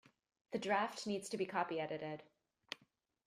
The draft needs to be copy edited